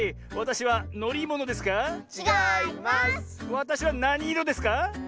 わたしはなにいろですか？